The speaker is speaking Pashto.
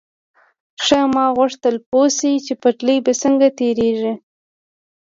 خاما غوښتل پوه شي چې پټلۍ به څنګه تېرېږي.